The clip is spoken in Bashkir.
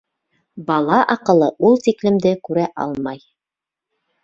Бала аҡылы ул тиклемде күрә алмай.